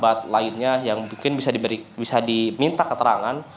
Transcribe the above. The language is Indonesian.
apakah ada kerabat lainnya yang mungkin bisa diminta keterangan